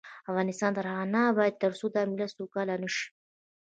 افغانستان تر هغو نه ابادیږي، ترڅو دا ملت سوکاله نشي.